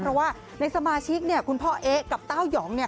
เพราะว่าในสมาชิกเนี่ยคุณพ่อเอ๊ะกับเต้ายองเนี่ย